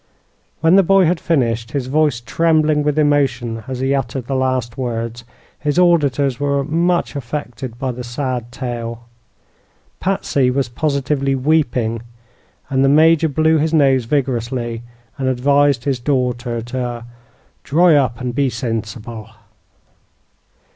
When the boy had finished, his voice trembling with emotion as he uttered the last words, his auditors were much affected by the sad tale. Patsy was positively weeping, and the Major blew his nose vigorously and advised his daughter to "dry up an' be sinsible."